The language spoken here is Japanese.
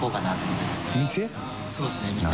そうですね店。